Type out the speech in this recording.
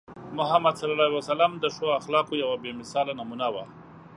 محمد صلى الله عليه وسلم د ښو اخلاقو یوه بې مثاله نمونه وو.